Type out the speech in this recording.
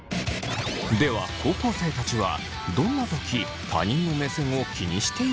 では高校生たちはどんなとき他人の目線を気にしているのか？